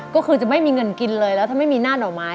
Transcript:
ก็คือจะไม่มีเงินกินเลยแล้วถ้าไม่มีหน้าหน่อไม้